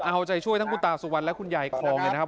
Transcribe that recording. เอาใจช่วยทั้งคุณตาสุวรรณและคุณยายคลองเลยนะครับ